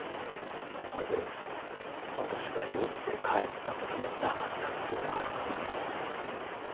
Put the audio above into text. まるで私が酔って帰ったこともなかったことであるかのように。